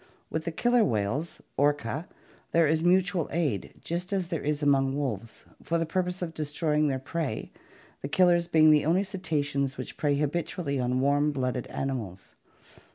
With the killer whales, Orca (Fig. 64), there is mutual aid just as there is among wolves, for the purpose of destroying their prey, the killers being the only cetaceans which prey habitually on warm blooded animals.